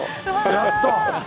やった。